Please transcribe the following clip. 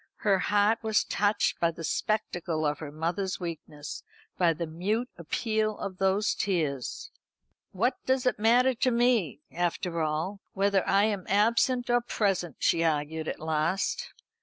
Her heart was touched by the spectacle of her mother's weakness, by the mute appeal of those tears. "What does it matter to me, after all, whether I am absent or present?" she argued at last.